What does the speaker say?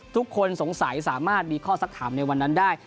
ทุกคนสงสัยสามารถมีข้อสักถามในวันนั้นได้